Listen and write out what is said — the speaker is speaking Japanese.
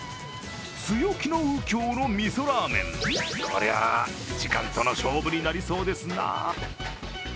強気の右京のみそラーメン、これは時間との勝負になりそうですな。